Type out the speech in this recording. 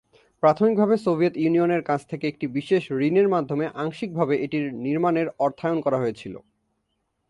প্রাথমিকভাবে Soviet Union এর কাছ থেকে একটি বিশেষ ঋণের মাধ্যমে আংশিকভাবে এটির নির্মাণের অর্থায়ন করা হয়েছিল।